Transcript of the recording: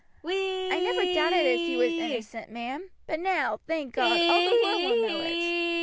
"I never doubted as he was innocent, ma'am; but now, thank God, all the world will know it.